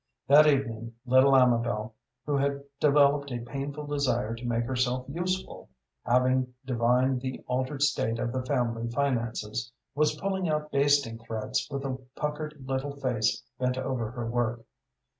That evening little Amabel, who had developed a painful desire to make herself useful, having divined the altered state of the family finances, was pulling out basting threads, with a puckered little face bent over her work.